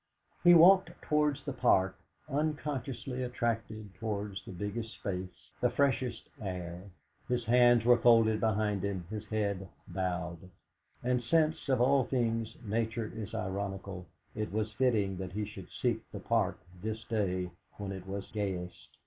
He walked towards the Park, unconsciously attracted towards the biggest space, the freshest air; his hands were folded behind him, his head bowed. And since, of all things, Nature is ironical, it was fitting that he should seek the Park this day when it was gayest.